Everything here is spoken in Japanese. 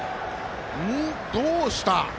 どうした！